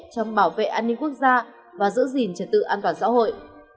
trong bảo vệ an ninh quốc gia và giữ gìn trật tự an toàn xã hội